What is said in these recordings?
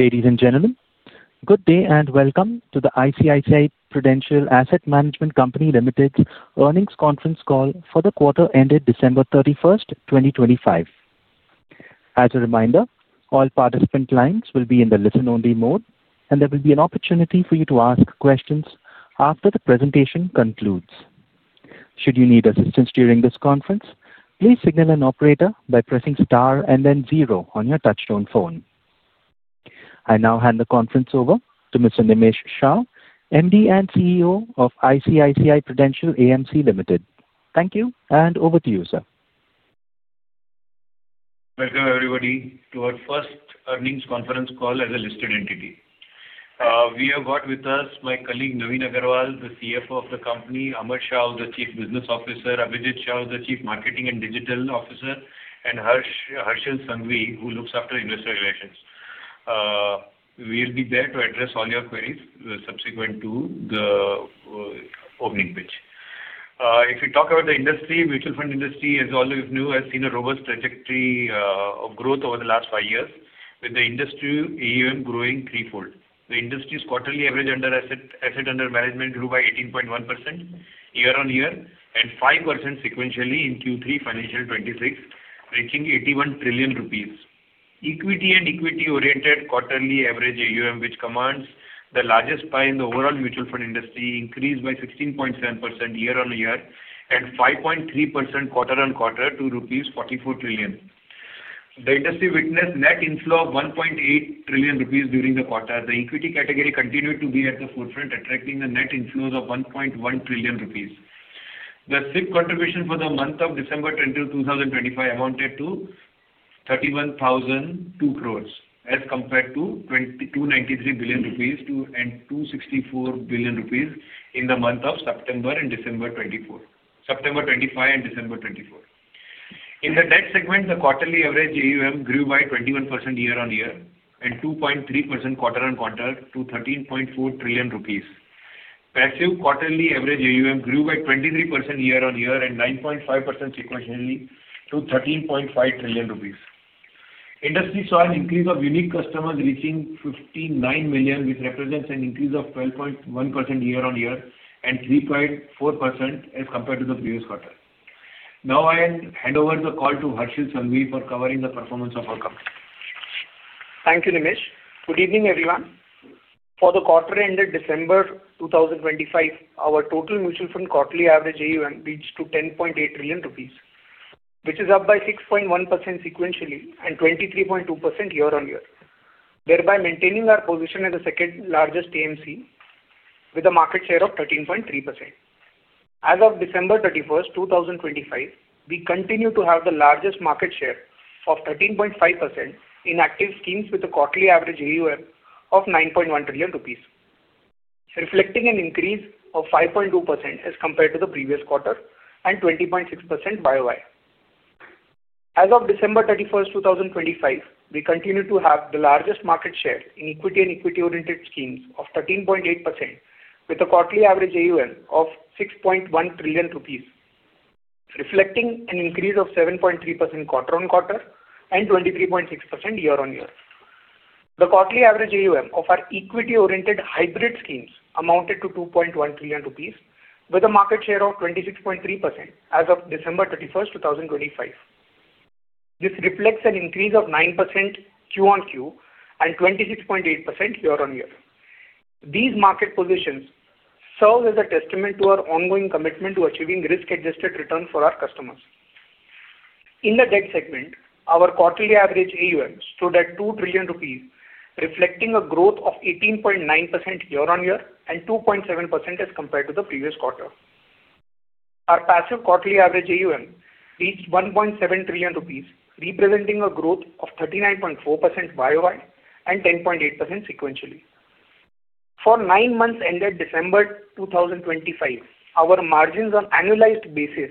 Ladies and gentlemen, good day and welcome to the ICICI Prudential Asset Management Company Limited's earnings conference call for the quarter ended December 31st, 2025. As a reminder, all participant lines will be in the listen-only mode, and there will be an opportunity for you to ask questions after the presentation concludes. Should you need assistance during this conference, please signal an operator by pressing star and then zero on your touch-tone phone. I now hand the conference over to Mr. Nimesh Shah, MD and CEO of ICICI Prudential AMC Limited. Thank you, and over to you, sir. Welcome, everybody, to our first earnings conference call as a listed entity. We have got with us my colleague, Navin Agarwal, the CFO of the company; Amar Shah, the Chief Business Officer; Abhijit Shah, the Chief Marketing and Digital Officer; and Harshad Sanghvi, who looks after investor relations. We'll be there to address all your queries subsequent to the opening pitch. If we talk about the industry, mutual fund industry, as all of you know, has seen a robust trajectory of growth over the last five years, with the industry AUM growing threefold. The industry's quarterly average asset under management grew by 18.1% year-on-year and 5% sequentially in Q3 financial 26, reaching 81 trillion rupees. Equity and equity-oriented quarterly average AUM, which commands the largest pie in the overall mutual fund industry, increased by 16.7% year-on-year and 5.3% quarter-on-quarter to rupees 44 trillion. The industry witnessed net inflow of 1.8 trillion rupees during the quarter. The equity category continued to be at the forefront, attracting the net inflows of 1.1 trillion rupees. The SIP contribution for the month of December 2025 amounted to 31,002 crore, as compared to 293 billion rupees and 264 billion rupees in the month of September and December 2024, September 2025 and December 2024. In the debt segment, the quarterly average AUM grew by 21% year-on-year and 2.3% quarter-on-quarter to 13.4 trillion rupees. Passive quarterly average AUM grew by 23% year-on-year and 9.5% sequentially to 13.5 trillion rupees. Industry saw an increase of unique customers reaching 59 million, which represents an increase of 12.1% year-on-year and 3.4% as compared to the previous quarter. Now I hand over the call to Harshad Sanghvi for covering the performance of our company. Thank you, Nimesh. Good evening, everyone. For the quarter ended December 2025, our total mutual fund quarterly average AUM reached to 10.8 trillion rupees, which is up by 6.1% sequentially and 23.2% year-on-year, thereby maintaining our position as the second-largest AMC with a market share of 13.3%. As of December 31st, 2025, we continue to have the largest market share of 13.5% in active schemes with a quarterly average AUM of 9.1 trillion rupees, reflecting an increase of 5.2% as compared to the previous quarter and 20.6% year-on-year. As of December 31st, 2025, we continue to have the largest market share in equity and equity-oriented schemes of 13.8% with a quarterly average AUM of 6.1 trillion rupees, reflecting an increase of 7.3% quarter-on-quarter and 23.6% year-on-year. The quarterly average AUM of our equity-oriented hybrid schemes amounted to 2.1 trillion rupees, with a market share of 26.3% as of December 31st, 2025. This reflects an increase of 9% Q on Q and 26.8% year-on-year. These market positions serve as a testament to our ongoing commitment to achieving risk-adjusted returns for our customers. In the debt segment, our quarterly average AUM stood at 2 trillion rupees, reflecting a growth of 18.9% year-on-year and 2.7% as compared to the previous quarter. Our passive quarterly average AUM reached 1.7 trillion rupees, representing a growth of 39.4% year-on-year and 10.8% sequentially. For nine months ended December 2025, our margins on annualized basis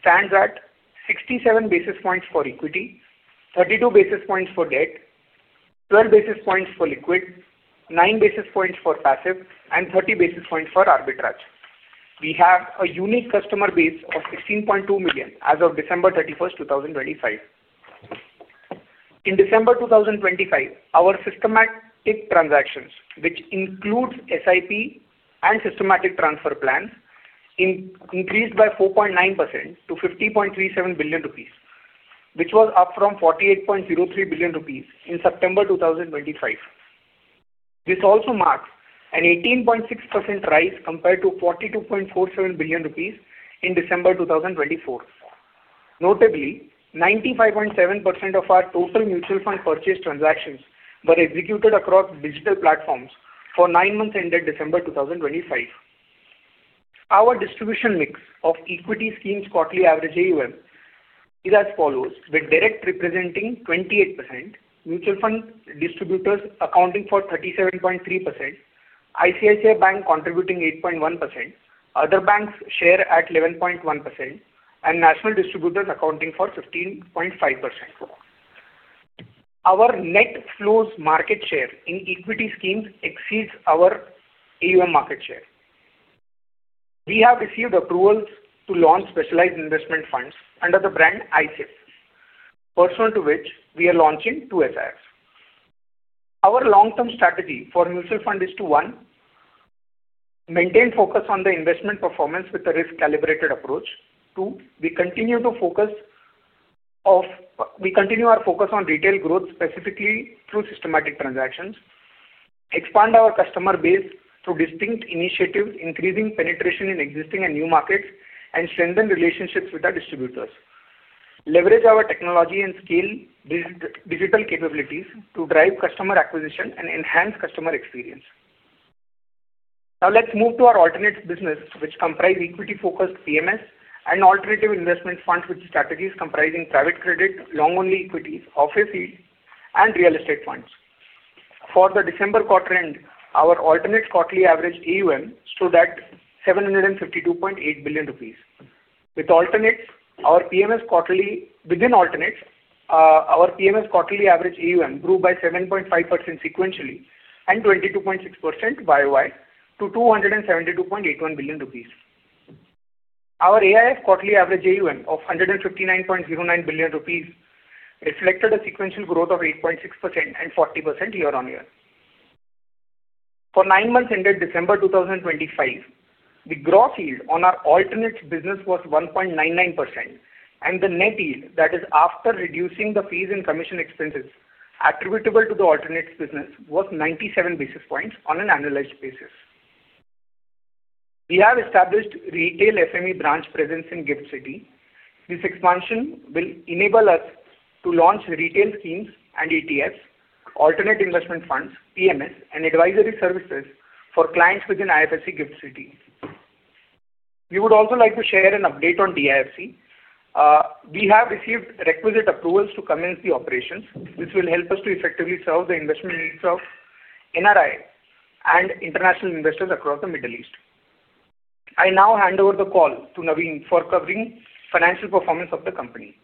stand at 67 basis points for equity, 32 basis points for debt, 12 basis points for liquid, 9 basis points for passive, and 30 basis points for arbitrage. We have a unique customer base of 16.2 million as of December 31st, 2025. In December 2025, our systematic transactions, which includes SIP and systematic transfer plans, increased by 4.9% to 50.37 billion rupees, which was up from 48.03 billion rupees in September 2025. This also marks an 18.6% rise compared to 42.47 billion rupees in December 2024. Notably, 95.7% of our total mutual fund purchase transactions were executed across digital platforms for nine months ended December 2025. Our distribution mix of equity schemes' quarterly average AUM is as follows, with direct representing 28%, mutual fund distributors accounting for 37.3%, ICICI Bank contributing 8.1%, other banks share at 11.1%, and national distributors accounting for 15.5%. Our net flows market share in equity schemes exceeds our AUM market share. We have received approvals to launch specialized investment funds under the brand ICICI, pursuant to which we are launching two SIFs. Our long-term strategy for mutual fund is to, one, maintain focus on the investment performance with a risk-calibrated approach. Two, we continue to focus on retail growth, specifically through systematic transactions. Expand our customer base through distinct initiatives, increasing penetration in existing and new markets. And strengthen relationships with our distributors. Leverage our technology and scale digital capabilities to drive customer acquisition and enhance customer experience. Now let's move to our alternative business, which comprises equity-focused PMS and alternative investment funds, which strategies comprising private credit, long-only equities, office yield, and real estate funds. For the December quarter end, our alternative quarterly average AUM stood at 752.8 billion rupees. With alternates, our PMS quarterly average AUM grew by 7.5% sequentially and 22.6% year-on-year to 272.81 billion rupees. Our AIF quarterly average AUM of 159.09 billion rupees reflected a sequential growth of 8.6% and 40% year-on-year. For nine months ended December 2025, the growth yield on our alternate business was 1.99%, and the net yield, that is, after reducing the fees and commission expenses attributable to the alternate business, was 97 basis points on an annualized basis. We have established retail FME branch presence in GIFT Citi. This expansion will enable us to launch retail schemes and ETFs, alternate investment funds, PMS, and advisory services for clients within IFSC GIFT Citi. We would also like to share an update on DIFC. We have received requisite approvals to commence the operations, which will help us to effectively serve the investment needs of NRI and international investors across the Middle East. I now hand over the call to Navin for covering financial performance of the company.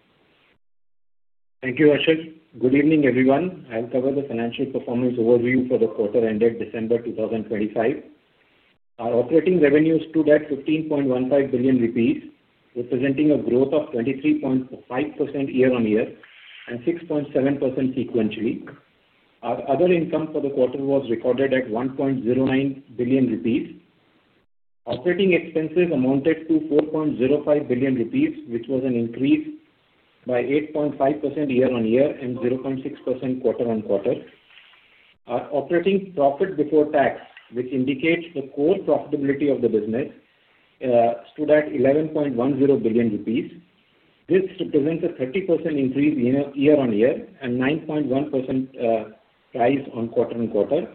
Thank you, Harshad. Good evening, everyone. I'll cover the financial performance overview for the quarter ended December 2025. Our operating revenues stood at 15.15 billion rupees, representing a growth of 23.5% year-on-year and 6.7% sequentially. Our other income for the quarter was recorded at 1.09 billion rupees. Operating expenses amounted to 4.05 billion rupees, which was an increase by 8.5% year-on-year and 0.6% quarter-on-quarter. Our operating profit before tax, which indicates the core profitability of the business, stood at 11.10 billion rupees. This represents a 30% increase year-on-year and 9.1% rise on quarter-on-quarter.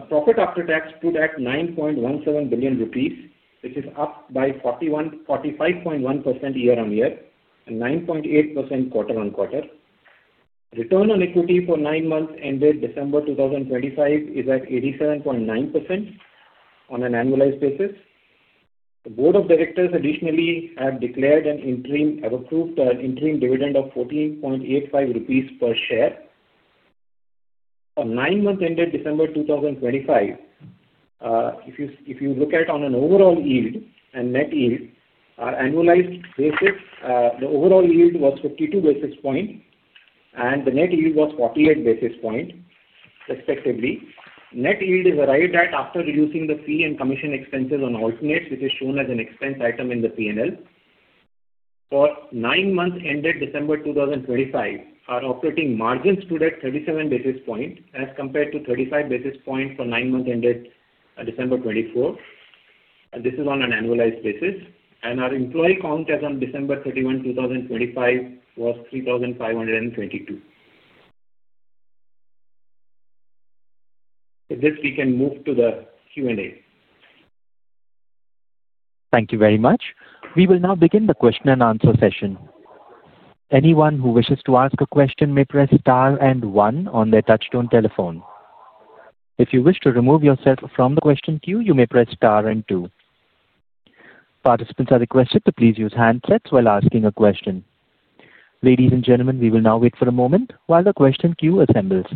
Profit after tax stood at 9.17 billion rupees, which is up by 45.1% year-on-year and 9.8% quarter-on-quarter. Return on equity for nine months ended December 2025 is at 87.9% on an annualized basis. The board of directors additionally have approved an interim dividend of 14.85 rupees per share. For nine months ended December 2025, if you look at on an overall yield and net yield, our annualized basis, the overall yield was 52 basis points and the net yield was 48 basis points, respectively. Net yield is arrived at after reducing the fee and commission expenses on alternates, which is shown as an expense item in the P&L. For nine months ended December 2025, our operating margins stood at 37 basis points as compared to 35 basis points for nine months ended December 2024. This is on an annualized basis. Our employee count as of December 31, 2025, was 3,522. With this, we can move to the Q&A. Thank you very much. We will now begin the question and answer session. Anyone who wishes to ask a question may press star and one on their touch-tone telephone. If you wish to remove yourself from the question queue, you may press star and two. Participants are requested to please use handsets while asking a question. Ladies and gentlemen, we will now wait for a moment while the question queue assembles.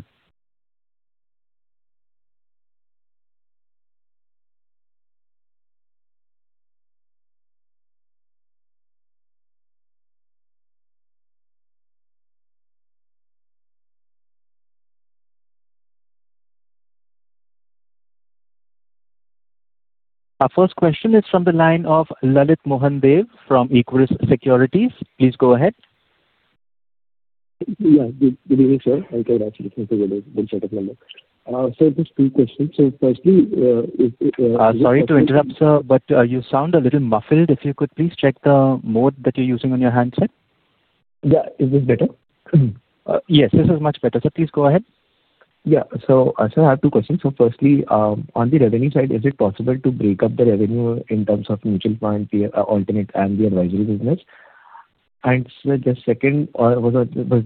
Our first question is from the line of Lalit Deo from Equurus Securities. Please go ahead. Yeah, good evening, sir. I'll go back to the phone for the one second number. So just two questions. So firstly, if. Sorry to interrupt, sir, but you sound a little muffled. If you could please check the mode that you're using on your handset. Yeah, is this better? Yes, this is much better, so please go ahead. Yeah, so I have two questions. So firstly, on the revenue side, is it possible to break up the revenue in terms of mutual fund, alternate, and the advisory business? And the second was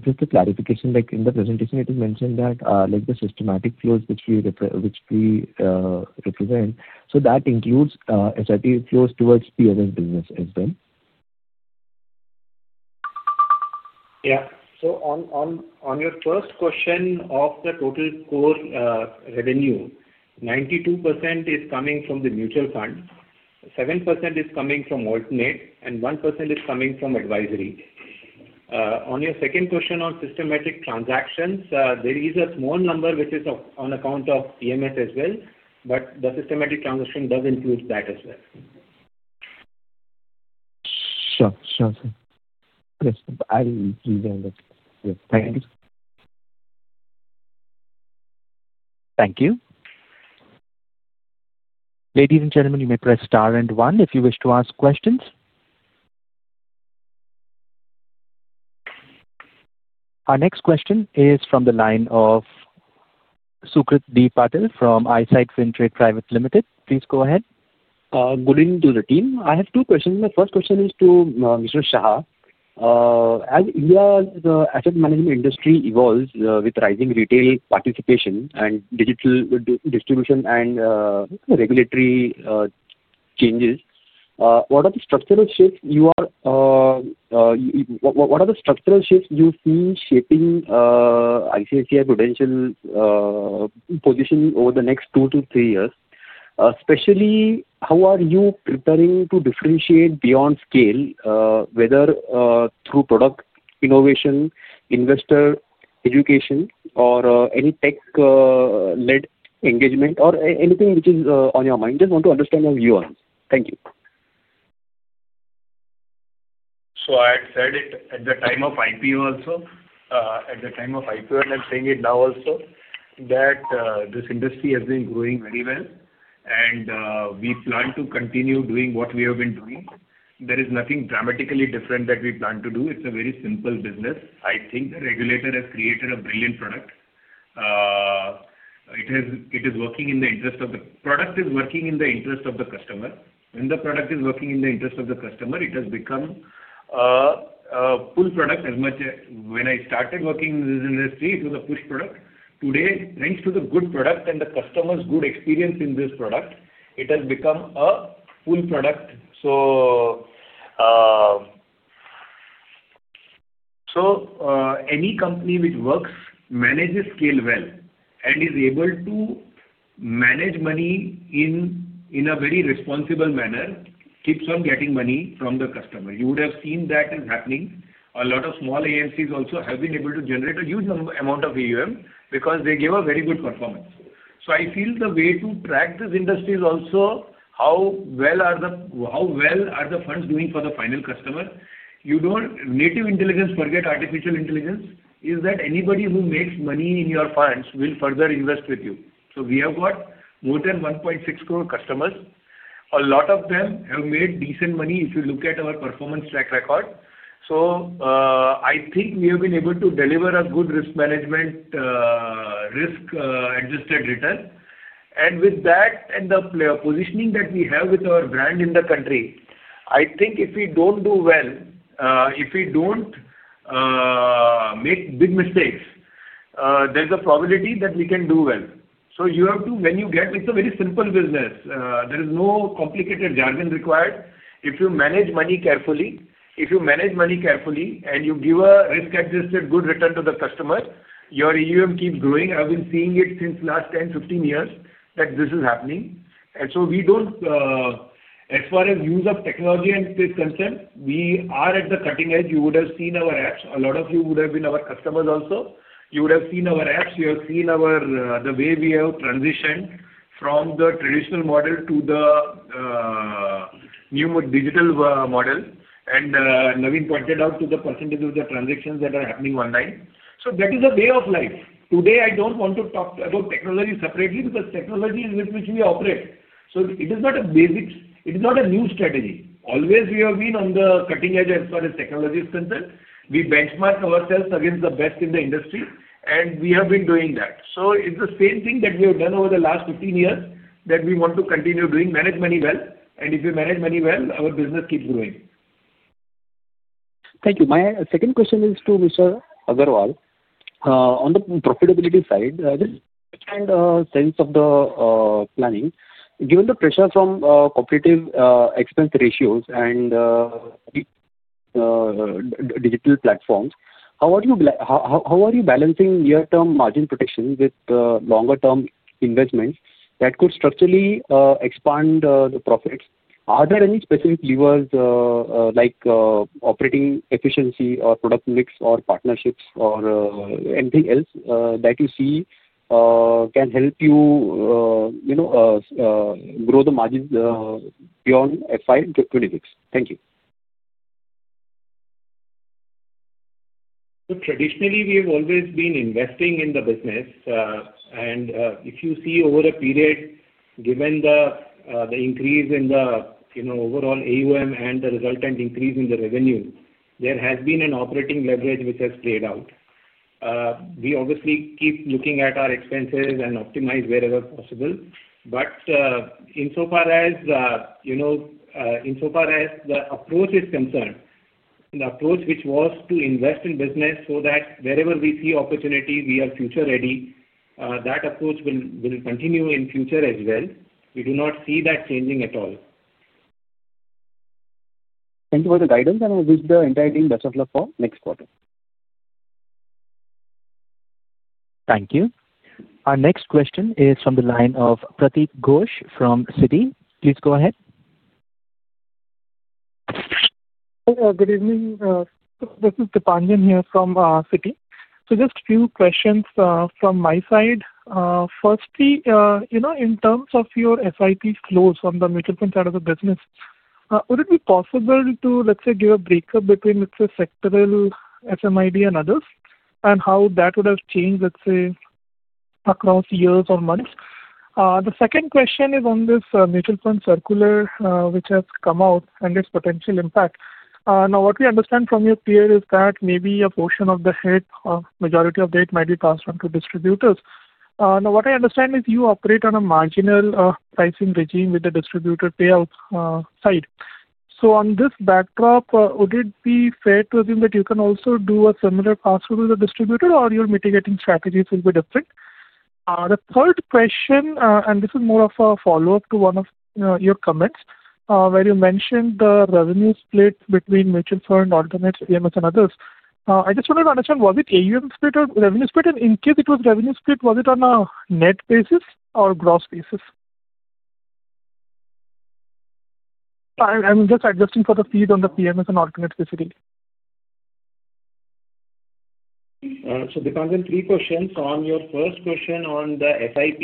just a clarification. In the presentation, it is mentioned that the systematic flows which we represent, so that includes SIP flows towards PMS business as well. Yeah. So on your first question of the total core revenue, 92% is coming from the mutual fund, 7% is coming from alternate, and 1% is coming from advisory. On your second question on systematic transactions, there is a small number which is on account of PMS as well, but the systematic transaction does include that as well. Sure, sure, sir. Yes, I will do that. Thank you. Thank you. Ladies and gentlemen, you may press star and one if you wish to ask questions. Our next question is from the line of Sukrit D. Patil from ICICI Securities. Please go ahead. Good evening to the team. I have two questions. My first question is to Mr. Shah. As India's asset management industry evolves with rising retail participation and digital distribution and regulatory changes, what are the structural shifts you see shaping ICICI Prudential's position over the next two to three years? Especially, how are you preparing to differentiate beyond scale, whether through product innovation, investor education, or any tech-led engagement, or anything which is on your mind? Just want to understand your view on it. Thank you. So I had said it at the time of IPO also. At the time of IPO, and I'm saying it now also, that this industry has been growing very well, and we plan to continue doing what we have been doing. There is nothing dramatically different that we plan to do. It's a very simple business. I think the regulator has created a brilliant product. It is working in the interest of the customer. When the product is working in the interest of the customer, it has become a pull product as much as when I started working in this industry, it was a push product. Today, thanks to the good product and the customer's good experience in this product, it has become a pull product. So. So any company which works, manages scale well, and is able to manage money in a very responsible manner, keeps on getting money from the customer. You would have seen that is happening. A lot of small AMCs also have been able to generate a huge amount of AUM because they give a very good performance. So I feel the way to track this industry is also how well are the funds doing for the final customer. You know, innate intelligence, forget artificial intelligence, is that anybody who makes money in your funds will further invest with you. So we have got more than 1.6 crore customers. A lot of them have made decent money if you look at our performance track record. So I think we have been able to deliver a good risk management risk-adjusted return. With that and the positioning that we have with our brand in the country, I think if we don't do well, if we don't make big mistakes, there's a probability that we can do well. So you have to, when you get, it's a very simple business. There is no complicated jargon required. If you manage money carefully, if you manage money carefully and you give a risk-adjusted good return to the customer, your AUM keeps growing. I've been seeing it since the last 10, 15 years that this is happening. And so we don't, as far as use of technology and this concern, we are at the cutting edge. You would have seen our apps. A lot of you would have been our customers also. You would have seen our apps. You have seen the way we have transitioned from the traditional model to the new digital model. And Navin pointed out to the percentage of the transactions that are happening online. So that is a way of life. Today, I don't want to talk about technology separately because technology is with which we operate. So it is not a basic it is not a new strategy. Always we have been on the cutting edge as far as technology is concerned. We benchmark ourselves against the best in the industry, and we have been doing that. So it's the same thing that we have done over the last 15 years that we want to continue doing, manage money well. And if we manage money well, our business keeps growing. Thank you. My second question is to Mr. Agarwal. On the profitability side, just a sense of the planning. Given the pressure from competitive expense ratios and digital platforms, how are you balancing near-term margin protection with longer-term investments that could structurally expand the profits? Are there any specific levers like operating efficiency or product mix or partnerships or anything else that you see can help you grow the margins beyond FY26? Thank you. Traditionally, we have always been investing in the business. And if you see over a period, given the increase in the overall AUM and the resultant increase in the revenue, there has been an operating leverage which has played out. We obviously keep looking at our expenses and optimize wherever possible. But insofar as the approach is concerned, the approach which was to invest in business so that wherever we see opportunity, we are future-ready, that approach will continue in future as well. We do not see that changing at all. Thank you for the guidance, and I wish the entire team best of luck for next quarter. Thank you. Our next question is from the line of Dipanjan Ghosh from Citi. Please go ahead. Good evening. This is Dipanjan here from City. So just a few questions from my side. Firstly, in terms of your SIP flows on the mutual fund side of the business, would it be possible to, let's say, give a breakup between the sectoral SMID and others, and how that would have changed, let's say, across years or months? The second question is on this mutual fund circular which has come out and its potential impact. Now, what we understand from your peer is that maybe a portion of the hit or majority of the hit might be passed on to distributors. Now, what I understand is you operate on a marginal pricing regime with the distributor payout side. So on this backdrop, would it be fair to assume that you can also do a similar pass-through with the distributor, or are your mitigating strategies a little bit different? The third question, and this is more of a follow-up to one of your comments, where you mentioned the revenue split between mutual fund, alternates, PMS, and others. I just wanted to understand, was it AUM split or revenue split? And in case it was revenue split, was it on a net basis or gross basis? I'm just adjusting for the fee on the PMS and alternates basically. So, Dipanjan, three questions. On your first question on the SIP,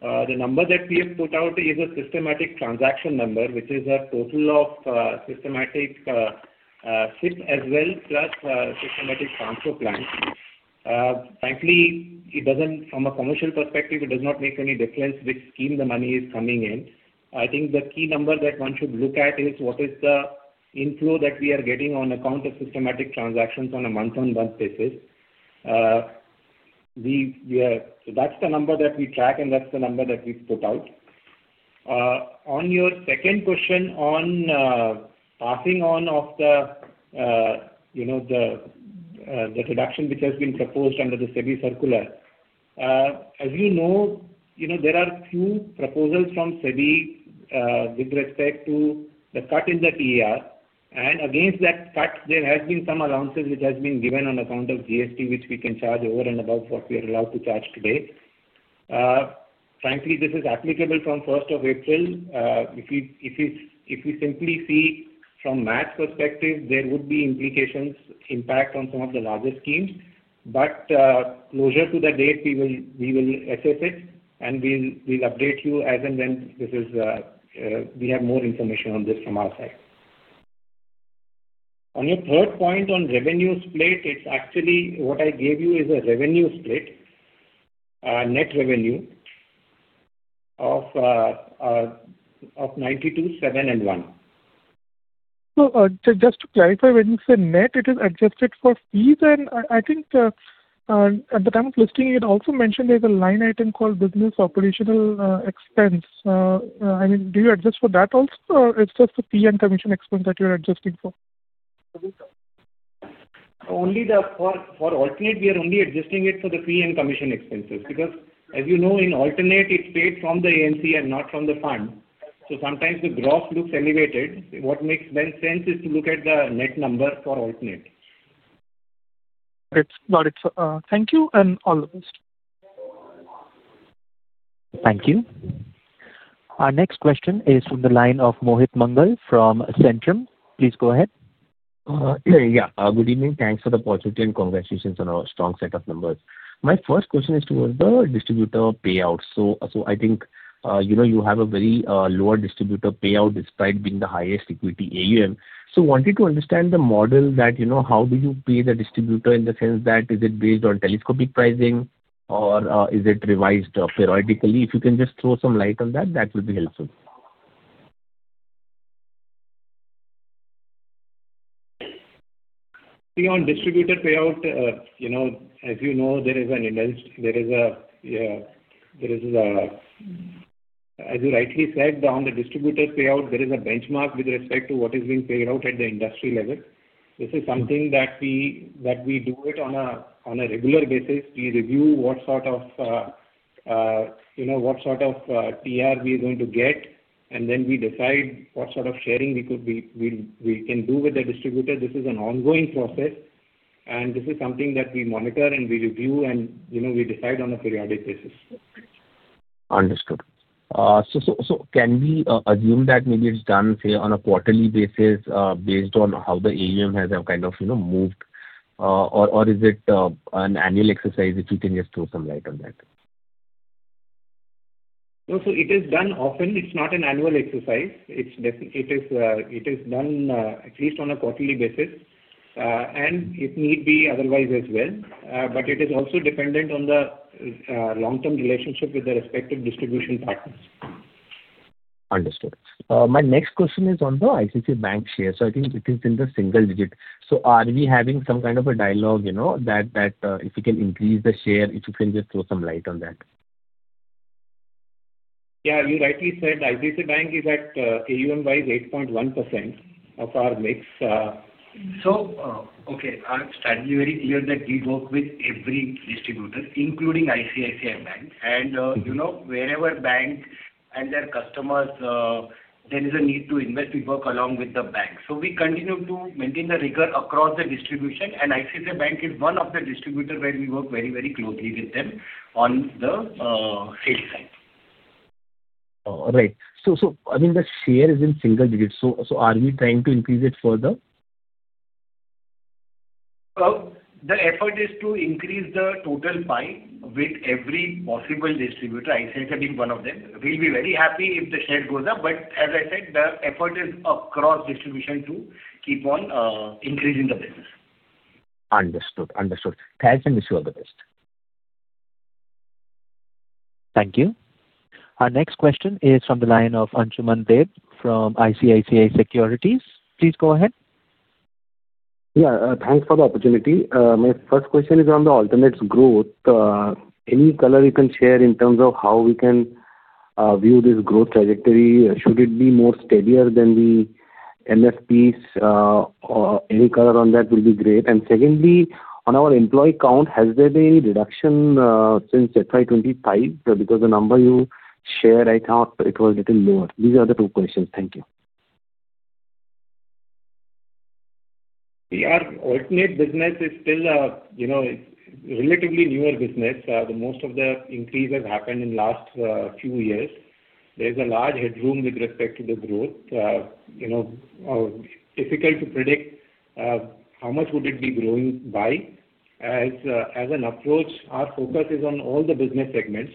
the number that we have put out is a systematic transaction number, which is a total of systematic SIP as well plus systematic transfer plan. Frankly, from a commercial perspective, it does not make any difference which scheme the money is coming in. I think the key number that one should look at is what is the inflow that we are getting on account of systematic transactions on a month-on-month basis. That's the number that we track, and that's the number that we've put out. On your second question on passing on of the reduction which has been proposed under the SEBI circular, as you know, there are few proposals from SEBI with respect to the cut in the TER. And against that cut, there has been some allowances which have been given on account of GST, which we can charge over and above what we are allowed to charge today. Frankly, this is applicable from 1st of April. If we simply see from math perspective, there would be implications impact on some of the larger schemes. But closer to the date, we will assess it, and we'll update you as and when we have more information on this from our side. On your third point on revenue split, it's actually what I gave you is a revenue split, net revenue of 92, 7, and 1. So just to clarify, when you say net, it is adjusted for fees? And I think at the time of listing, you had also mentioned there's a line item called business operational expense. I mean, do you adjust for that also, or it's just the fee and commission expense that you're adjusting for? Only for alternate, we are only adjusting it for the fee and commission expenses. Because as you know, in alternate, it's paid from the AMC and not from the fund. So sometimes the gross looks elevated. What then makes sense is to look at the net number for alternate. Got it. Thank you and all the best. Thank you. Our next question is from the line of Mohit Mangal from Centrum. Please go ahead. Yeah. Good evening. Thanks for the opportunity and congratulations on our strong set of numbers. My first question is toward the distributor payout. So I think you have a very lower distributor payout despite being the highest equity AUM. So wanted to understand the model that how do you pay the distributor in the sense that is it based on telescopic pricing, or is it revised periodically? If you can just throw some light on that, that will be helpful. Beyond distributor payout, as you know, there is an industry, as you rightly said, on the distributor payout, there is a benchmark with respect to what is being paid out at the industry level. This is something that we do on a regular basis. We review what sort of TER we are going to get, and then we decide what sort of sharing we can do with the distributor. This is an ongoing process, and this is something that we monitor and we review and we decide on a periodic basis. Understood. So can we assume that maybe it's done on a quarterly basis based on how the AUM has kind of moved, or is it an annual exercise if you can just throw some light on that? So it is done often. It's not an annual exercise. It is done at least on a quarterly basis, and it need be otherwise as well. But it is also dependent on the long-term relationship with the respective distribution partners. Understood. My next question is on the ICICI Bank share. So I think it is in the single digit. So are we having some kind of a dialogue that if we can increase the share, if you can just throw some light on that? Yeah. You rightly said. ICICI Bank is at AUM-wise 8.1% of our mix. So okay, I'm standing very clear that we work with every distributor, including ICICI Bank. And wherever bank and their customers, there is a need to invest, we work along with the bank. So we continue to maintain the rigor across the distribution, and ICICI Bank is one of the distributors where we work very, very closely with them on the sales side. All right. So I mean, the share is in single digit. So are we trying to increase it further? The effort is to increase the total pie with every possible distributor. ICICI being one of them. We'll be very happy if the share goes up. But as I said, the effort is across distribution to keep on increasing the business. Understood. Understood. Thanks, and wish you all the best. Thank you. Our next question is from the line of Ansuman Deb from ICICI Securities. Please go ahead. Yeah. Thanks for the opportunity. My first question is on the alternatives growth. Any color you can share in terms of how we can view this growth trajectory? Should it be more steadier than the PMSs? Any color on that would be great. And secondly, on our employee count, has there been any reduction since FY25? Because the number you share right now, it was a little lower. These are the two questions. Thank you. Yeah. Alternate business is still a relatively newer business. Most of the increase has happened in the last few years. There's a large headroom with respect to the growth. Difficult to predict how much would it be growing by. As an approach, our focus is on all the business segments.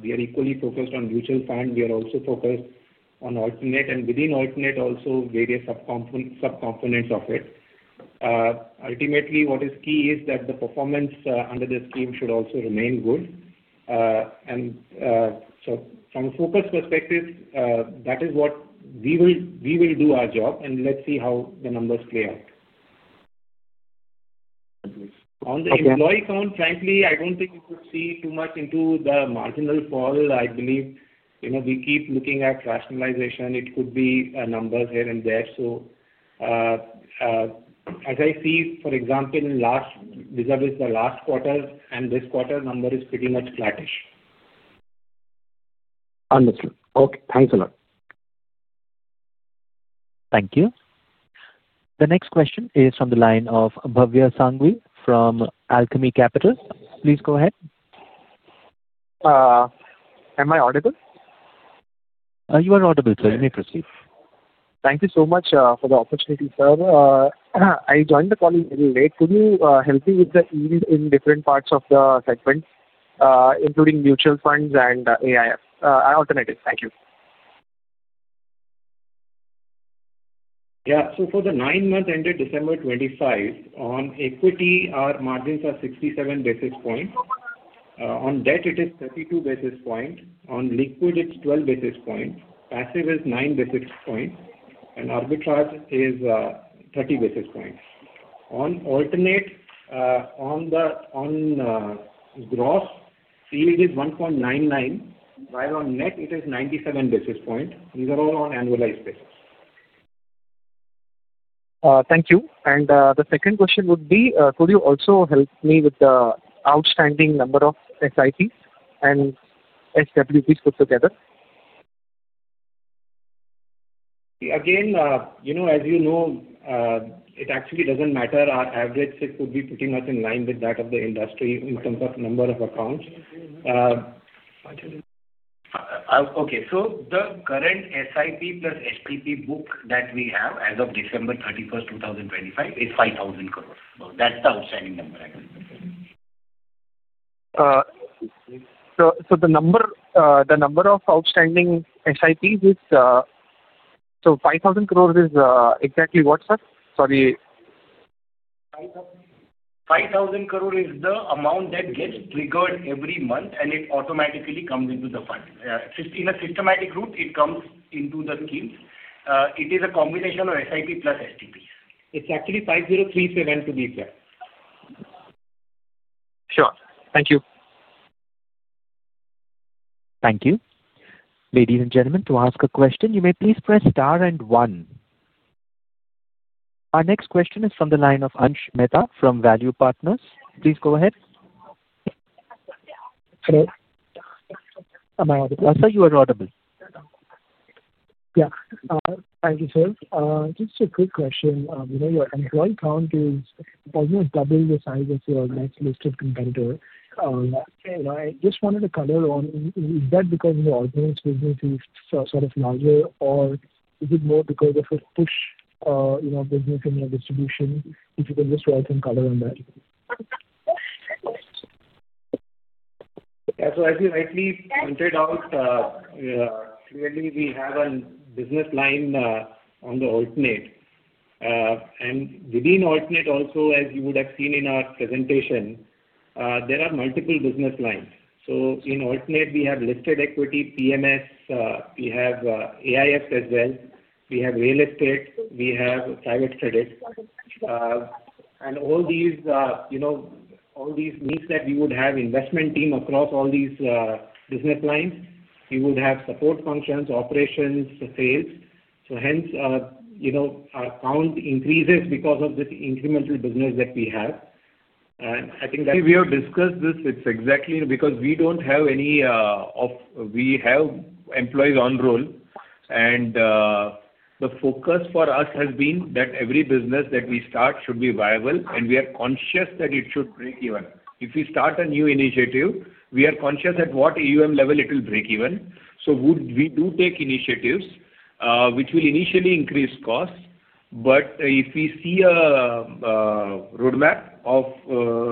We are equally focused on mutual fund. We are also focused on alternate and within alternate also various subcomponents of it. Ultimately, what is key is that the performance under the scheme should also remain good. And so from a focus perspective, that is what we will do our job, and let's see how the numbers play out. On the employee count, frankly, I don't think we could see too much into the marginal fall. I believe we keep looking at rationalization. It could be numbers here and there. So as I see, for example, vis-à-vis the last quarter and this quarter, number is pretty much flattish. Understood. Okay. Thanks a lot. Thank you. The next question is from the line of Bhavya Sanghvi from Alchemy Capital. Please go ahead. Am I audible? You are audible, sir. You may proceed. Thank you so much for the opportunity, sir. I joined the call a little late. Could you help me with in different parts of the segment, including mutual funds and alternatives? Thank you. Yeah. So for the nine-month ended December 25, on equity, our margins are 67 basis points. On debt, it is 32 basis points. On liquid, it's 12 basis points. Passive is nine basis points. And arbitrage is 30 basis points. On alternate, on the gross, yield is 1.99, while on net, it is 97 basis points. These are all on annualized basis. Thank you. And the second question would be, could you also help me with the outstanding number of SIPs and SWPs put together? Again, as you know, it actually doesn't matter. Our average could be pretty much in line with that of the industry in terms of number of accounts. Okay. So the current SIP plus STP book that we have as of December 31st, 2025 is 5,000 crores. That's the outstanding number, I believe. So the number of outstanding SIPs is so 5,000 crores. Is exactly what, sir? Sorry. 5,000 crores is the amount that gets triggered every month, and it automatically comes into the fund. In a systematic route, it comes into the schemes. It is a combination of SIP plus STPs. It's actually 5,037 crores to be exact. Sure. Thank you. Thank you. Ladies and gentlemen, to ask a question, you may please press star and one. Our next question is from the line of Ansh Mehta from ValueQuest. Please go ahead. Hello. I'm audible. I'll say you are audible. Yeah. Thank you, sir. Just a quick question. Your employee count is almost double the size of your next listed competitor. I just wanted some color on. Is that because your alternatives business is sort of larger, or is it more because of a push in your distribution? If you can just provide some color on that. Yeah. So as you rightly pointed out, clearly, we have a business line on the alternative. And within alternative also, as you would have seen in our presentation, there are multiple business lines. So in alternative, we have listed equity, PMS. We have AIFs as well. We have real estate. We have private credit. And all these means that we would have investment team across all these business lines. We would have support functions, operations, sales. So hence, our count increases because of this incremental business that we have. And I think that. We have discussed this. It's exactly because we don't have any employees on roll, and the focus for us has been that every business that we start should be viable, and we are conscious that it should break even. If we start a new initiative, we are conscious at what AUM level it will break even. So we do take initiatives which will initially increase costs, but if we see a roadmap of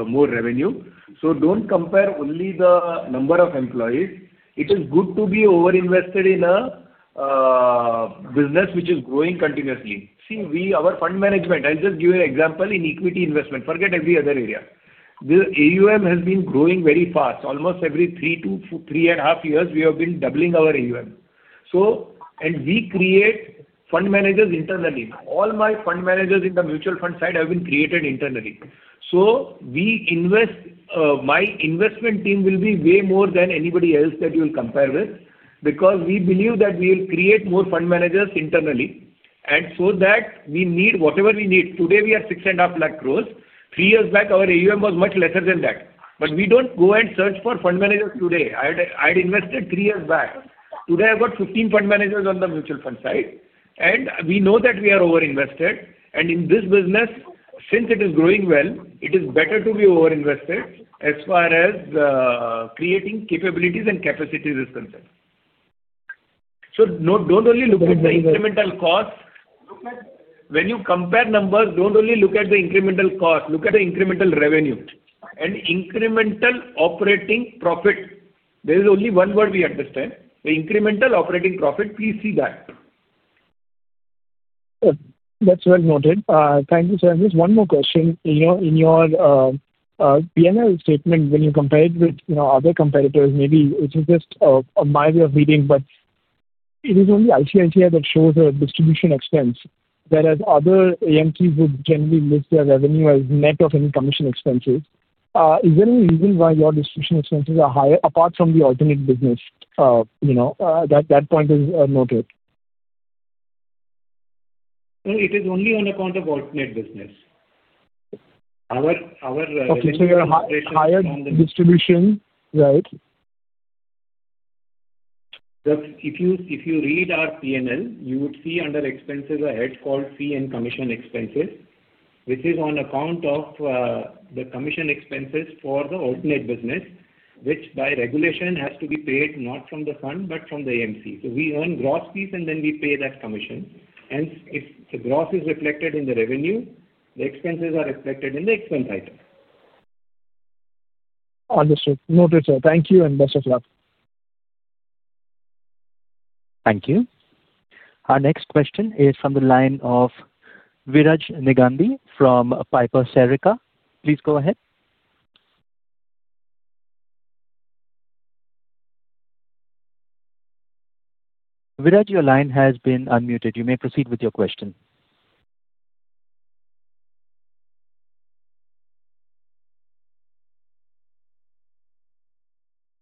more revenue. So don't compare only the number of employees. It is good to be overinvested in a business which is growing continuously. See, our fund management, I'll just give you an example in equity investment. Forget every other area. The AUM has been growing very fast. Almost every three to three and a half years, we have been doubling our AUM. And we create fund managers internally. All my fund managers in the mutual fund side have been created internally. So my investment team will be way more than anybody else that you will compare with because we believe that we will create more fund managers internally. And so that we need whatever we need. Today, we are 6.5 trillion. Three years back, our AUM was much lesser than that. But we don't go and search for fund managers today. I had invested three years back. Today, I've got 15 fund managers on the mutual fund side. And we know that we are overinvested. And in this business, since it is growing well, it is better to be overinvested as far as creating capabilities and capacities is concerned. So don't only look at the incremental cost. When you compare numbers, don't only look at the incremental cost. Look at the incremental revenue and incremental operating profit. There is only one word we understand. The incremental operating profit, please see that. That's well noted. Thank you so much. One more question. In your P&L statement, when you compare it with other competitors, maybe it is just a mildly off-beat, but it is only ICICI that shows a distribution expense, whereas other AMCs would generally list their revenue as net of any commission expenses. Is there any reason why your distribution expenses are higher apart from the alternate business? That point is noted. It is only on account of alternative business. Our distribution. Okay. So your higher distribution, right? If you read our P&L, you would see under expenses head called fee and commission expenses, which is on account of the commission expenses for the alternative business, which by regulation has to be paid not from the fund, but from the AMC. So we earn gross fees, and then we pay that commission. Hence, if the gross is reflected in the revenue, the expenses are reflected in the expense item. Understood. Noted, sir. Thank you and best of luck. Thank you. Our next question is from the line of Viraj Kacharia from Piper Serica. Please go ahead. Viraj, your line has been unmuted. You may proceed with your question.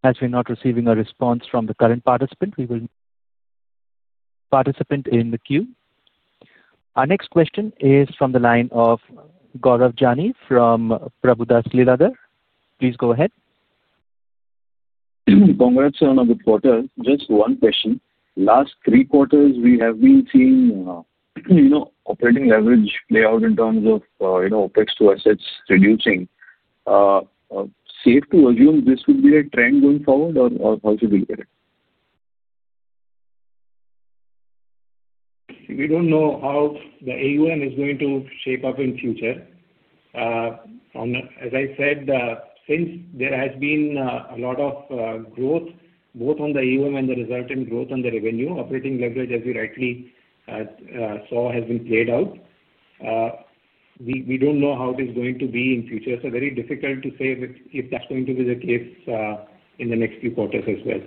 As we're not receiving a response from the current participant, we will move to the next participant in the queue. Our next question is from the line of Gaurav Jani from Prabhudas Leeladhar. Please go ahead. Congrats on a good quarter. Just one question. Last three quarters, we have been seeing operating leverage play out in terms of OpEx to assets reducing. Safe to assume this would be a trend going forward, or how should we look at it? We don't know how the AUM is going to shape up in the future. As I said, since there has been a lot of growth, both on the AUM and the resultant growth on the revenue, operating leverage, as you rightly saw, has been played out. We don't know how it is going to be in the future. It's very difficult to say if that's going to be the case in the next few quarters as well.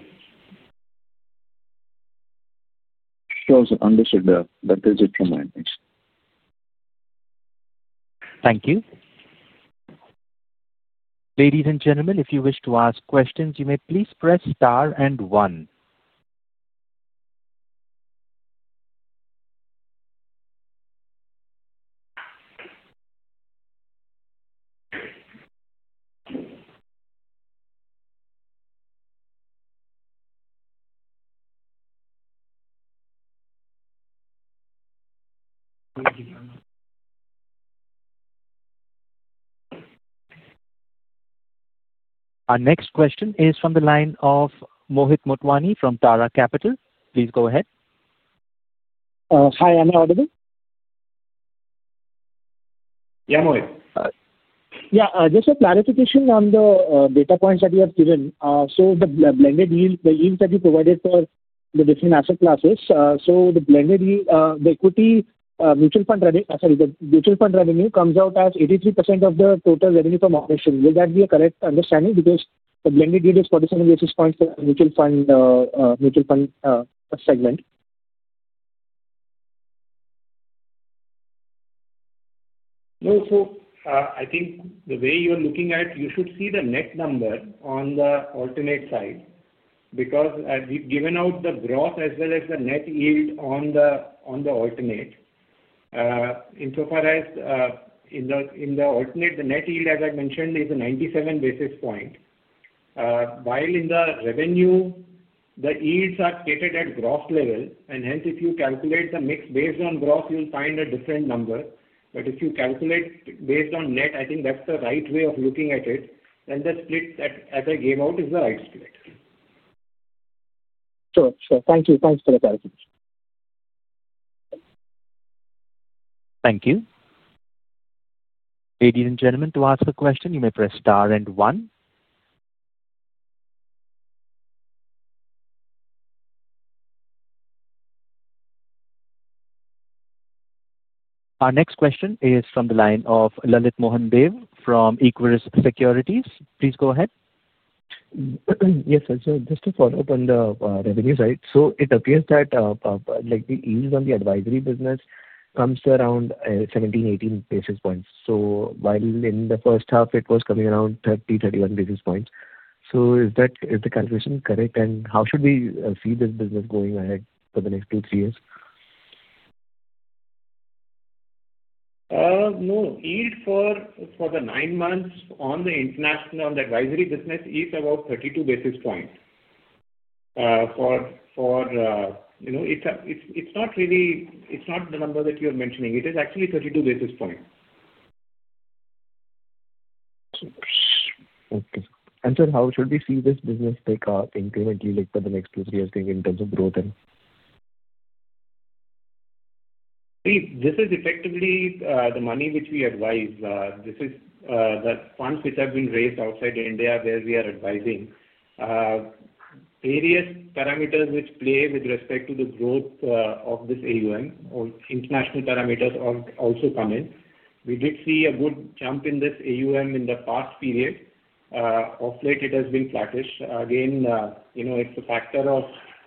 Sure. Understood. That is it from my end. Thank you. Ladies and gentlemen, if you wish to ask questions, you may please press star and one. Our next question is from the line of Mohit Motwani from Tara Capital. Please go ahead. Hi. Am I audible? Yeah, Mohit. Yeah. Just a clarification on the data points that you have given. So the blended yield, the yields that you provided for the different asset classes, so the blended yield, the equity mutual fund revenue, sorry, the mutual fund revenue comes out as 83% of the total revenue from operations. Will that be a correct understanding? Because the blended yield is 47 basis points for the mutual fund segment. No. So I think the way you're looking at, you should see the net number on the alternate side because we've given out the gross as well as the net yield on the alternate. Insofar as in the alternate, the net yield, as I mentioned, is 97 basis points. While in the revenue, the yields are stated at gross level. And hence, if you calculate the mix based on gross, you'll find a different number. But if you calculate based on net, I think that's the right way of looking at it. And the split that I gave out is the right split. Sure. Sure. Thank you. Thanks for the clarification. Thank you. Ladies and gentlemen, to ask a question, you may press star and one. Our next question is from the line of Lalit Deo from Equurus Securities. Please go ahead. Yes, sir. So just to follow up on the revenue side, so it appears that the yield on the advisory business comes around 17-18 basis points. So while in the first half, it was coming around 30-31 basis points. So is the calculation correct, and how should we see this business going ahead for the next two, three years? No. Yield for the nine months on the advisory business is about 32 basis points. But it's not really the number that you're mentioning. It is actually 32 basis points. Okay. And sir, how should we see this business take off incrementally for the next two, three years in terms of growth and? See, this is effectively the money which we advise. This is the funds which have been raised outside India where we are advising. Various parameters which play with respect to the growth of this AUM or international parameters also come in. We did see a good jump in this AUM in the past period. Of late, it has been flattish. Again, it's a factor of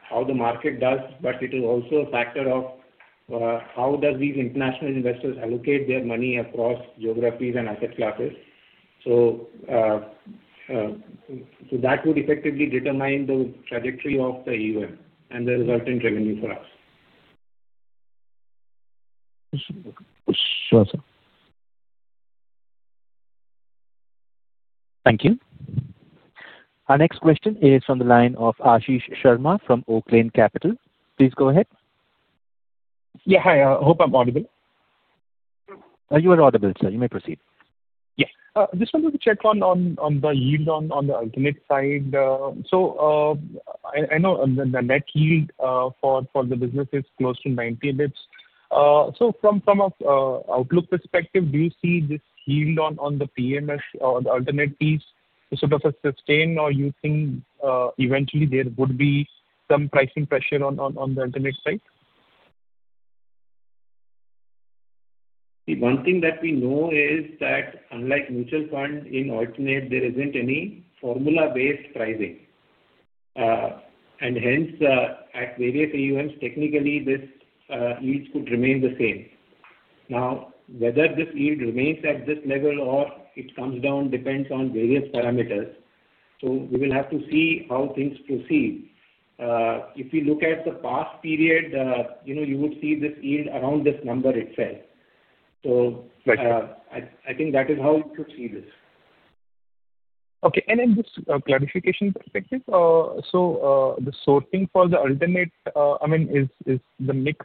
how the market does, but it is also a factor of how do these international investors allocate their money across geographies and asset classes. So that would effectively determine the trajectory of the AUM and the resultant revenue for us. Sure, sir. Thank you. Our next question is from the line of Ashish Sharma from Oaklane Capital. Please go ahead. Yeah. Hi. I hope I'm audible. You are audible, sir. You may proceed. Yes. Just wanted to check on the yield on the alternative side. So I know the net yield for the business is close to 90 basis points. So from an outlook perspective, do you see this yield on the PMS or the alternative piece sort of sustained, or do you think eventually there would be some pricing pressure on the alternative side? The one thing that we know is that unlike mutual fund in alternate, there isn't any formula-based pricing, and hence, at various AUMs, technically, this yield could remain the same. Now, whether this yield remains at this level or it comes down depends on various parameters, so we will have to see how things proceed. If you look at the past period, you would see this yield around this number itself, so I think that is how you could see this. Okay. And in this clarification perspective, so the sourcing for the alternative, I mean, is the mix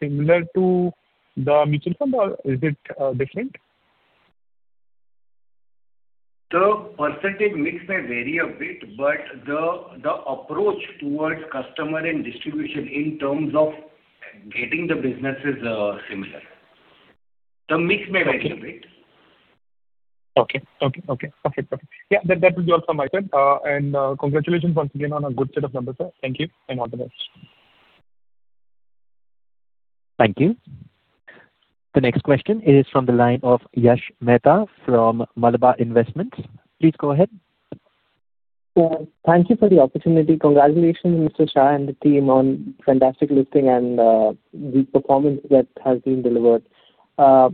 similar to the mutual fund, or is it different? The percentage mix may vary a bit, but the approach towards customer and distribution in terms of getting the business is similar. The mix may vary a bit. Okay. Perfect. Yeah. That would be all from my side. And congratulations once again on a good set of numbers, sir. Thank you and all the best. Thank you. The next question is from the line of Yash Mehta from Malabar Investments. Please go ahead. Thank you for the opportunity. Congratulations, Mr. Shah and the team, on fantastic listing and the performance that has been delivered. Sir,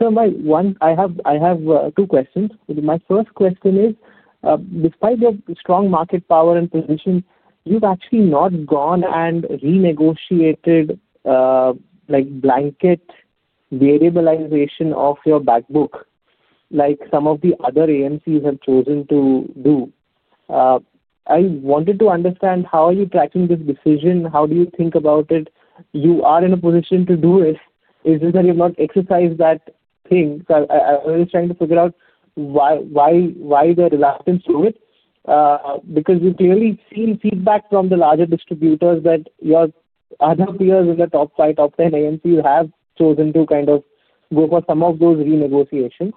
I have two questions. My first question is, despite your strong market power and position, you've actually not gone and renegotiated blanket variabilization of your backbook, like some of the other AMCs have chosen to do. I wanted to understand how are you tracking this decision? How do you think about it? You are in a position to do it. Is it that you've not exercised that thing? So I was just trying to figure out why the reluctance to do it because we've clearly seen feedback from the larger distributors that your other peers in the top five, top ten AMCs have chosen to kind of go for some of those renegotiations.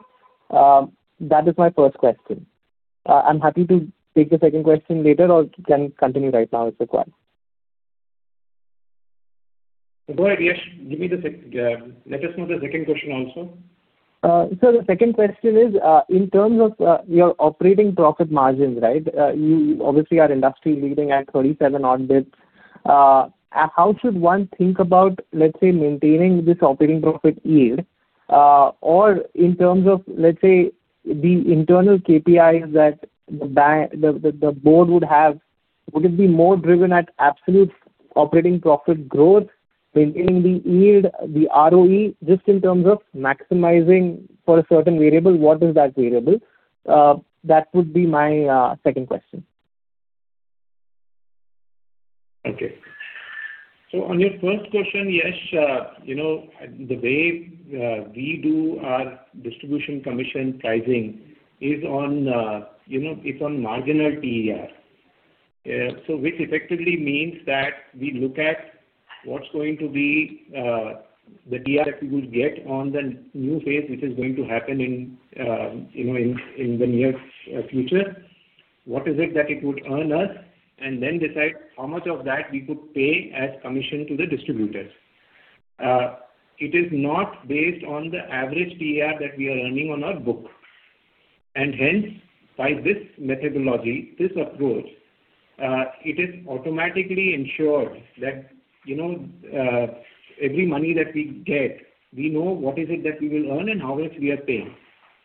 That is my first question. I'm happy to take the second question later, or can continue right now if required. Go ahead, Yash. Let us know the second question also. Sir, the second question is, in terms of your operating profit margins, right? You obviously are industry-leading at 37 odd basis points. How should one think about, let's say, maintaining this operating profit yield? Or in terms of, let's say, the internal KPIs that the board would have, would it be more driven at absolute operating profit growth, maintaining the yield, the ROE, just in terms of maximizing for a certain variable? What is that variable? That would be my second question. Okay. So on your first question, Yash, the way we do our distribution commission pricing is on its marginal TER. So which effectively means that we look at what's going to be the TER that we will get on the new phase, which is going to happen in the near future. What is it that it would earn us, and then decide how much of that we could pay as commission to the distributors. It is not based on the average TER that we are earning on our book. And hence, by this methodology, this approach, it is automatically ensured that every money that we get, we know what is it that we will earn and how much we are paying.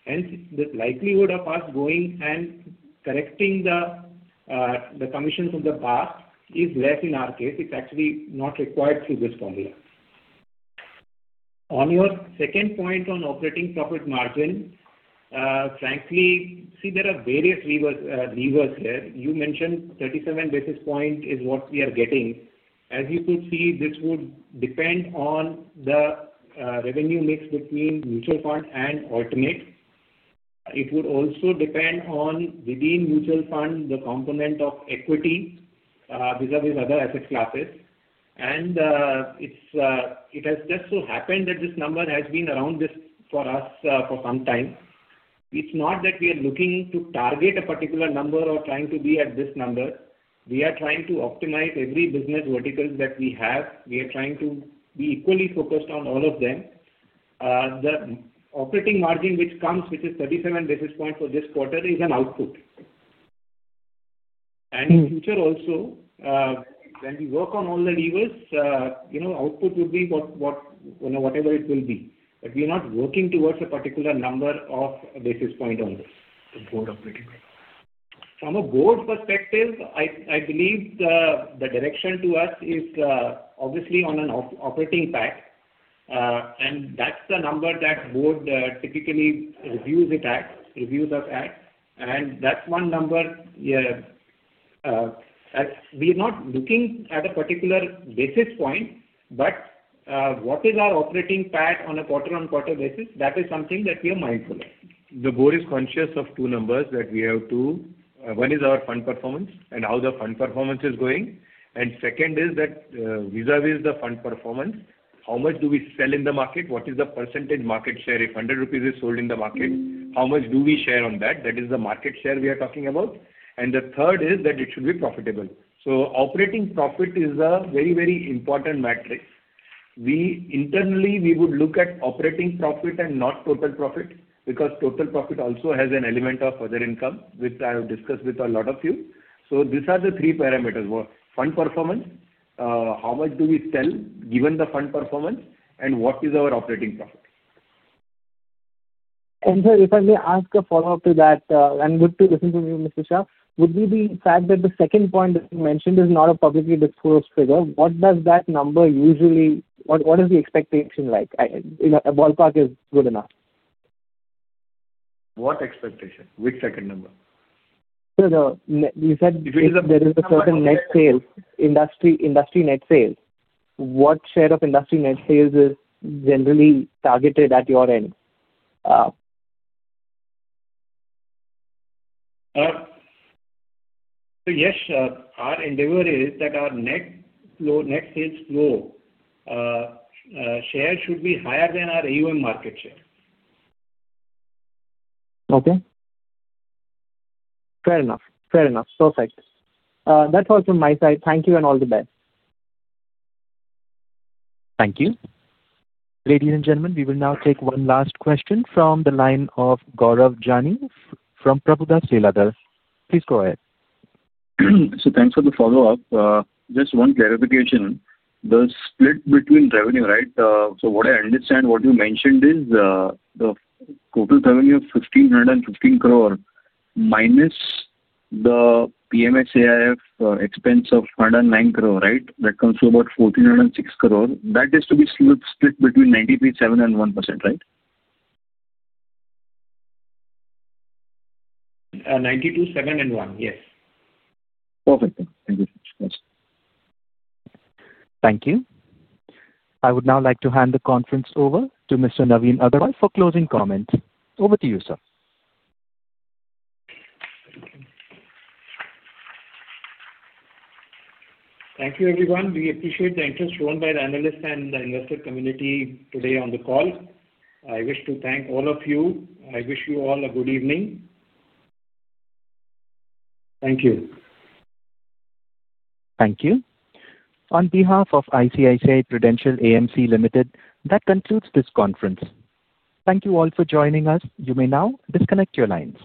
Hence, the likelihood of us going and correcting the commissions of the past is less in our case. It's actually not required through this formula. On your second point on operating profit margin, frankly, see, there are various levers here. You mentioned 37 basis points is what we are getting. As you could see, this would depend on the revenue mix between mutual fund and alternative. It would also depend on within mutual fund, the component of equity vis-à-vis other asset classes. And it has just so happened that this number has been around this for us for some time. It's not that we are looking to target a particular number or trying to be at this number. We are trying to optimize every business vertical that we have. We are trying to be equally focused on all of them. The operating margin which comes, which is 37 basis points for this quarter, is an output. And in future also, when we work on all the levers, output would be whatever it will be. But we are not working towards a particular number of basis points on this. From a board perspective, I believe the direction to us is obviously on an operating PAT, and that's the number that board typically reviews us at. And that's one number we are not looking at a particular basis point, but what is our operating PAT on a quarter-on-quarter basis, that is something that we are mindful of. The board is conscious of two numbers that we have too. One is our fund performance and how the fund performance is going. And second is that vis-à-vis the fund performance, how much do we sell in the market? What is the percentage market share? If 100 rupees is sold in the market, how much do we share on that? That is the market share we are talking about. And the third is that it should be profitable. Operating profit is a very, very important metric. Internally, we would look at operating profit and not total profit because total profit also has an element of other income, which I have discussed with a lot of you. These are the three parameters: fund performance, how much do we sell given the fund performance, and what is our operating profit. Sir, if I may ask a follow-up to that, I'm good to listen to you, Mr. Shah. Given the fact that the second point that you mentioned is not a publicly disclosed figure, what does that number usually, what is the expectation like? Ballpark is good enough. What expectation? Which second number? So you said there is a certain net sales, industry net sales. What share of industry net sales is generally targeted at your end? So yes, our endeavor is that our net sales flow share should be higher than our AUM market share. Okay. Fair enough. Fair enough. Perfect. That's all from my side. Thank you and all the best. Thank you. Ladies and gentlemen, we will now take one last question from the line of Gaurav Jani from Prabhudas Leeladhar. Please go ahead. Thanks for the follow-up. Just one clarification. The split between revenue, right? What I understand, what you mentioned is the total revenue of 1,515 crore minus the PMS AIF expense of 109 crore, right? That comes to about 1,406 crore. That is to be split between 93.7% and 1%, right? 92.7 and 1, yes. Perfect. Thank you. Thank you. I would now like to hand the conference over to Mr. Navin Agarwal for closing comments. Over to you, sir. Thank you, everyone. We appreciate the interest shown by the analysts and the investor community today on the call. I wish to thank all of you. I wish you all a good evening. Thank you. Thank you. On behalf of ICICI Prudential AMC Limited, that concludes this conference. Thank you all for joining us. You may now disconnect your lines.